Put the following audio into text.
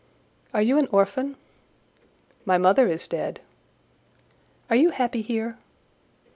"Are you an orphan?" "My mother is dead." "Are you happy here?"